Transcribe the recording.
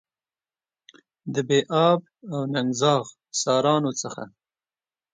د بې آب او ننګ زاغ سارانو څخه.